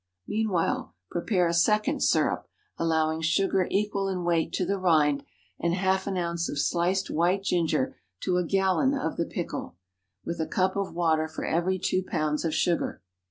Meanwhile prepare a second syrup, allowing sugar equal in weight to the rind, and half an ounce of sliced white ginger to a gallon of the pickle, with a cup of water for every two pounds of sugar.